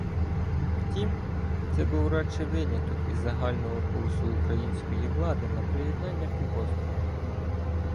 Втім, це був радше виняток із загального курсу української влади на приєднання півострова.